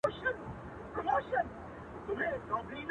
• غم او ښادي یوه ده کور او ګور مو دواړه یو دي -